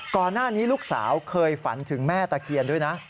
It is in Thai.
ก่อนหน้านี้ลูกสาวเคยฝันถึงแม่ตะเคียนด้วยนะ